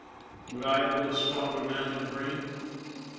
Would I have been a stronger man than Breen?